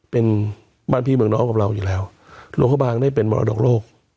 เป็นบ้านพี่เมืองน้องกับเราอยู่แล้วหลวงพระบางได้เป็นมรดกโลก